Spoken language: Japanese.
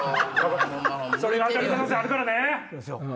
それが当たる可能性あるからね！